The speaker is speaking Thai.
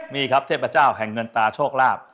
นี่ครับเทพเจ้าแห่งเงินตาโชคลาภ